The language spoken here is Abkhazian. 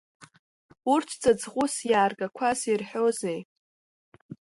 Урҭ ҵаҵӷ-әыс иааргақәаз ирҳәозеи?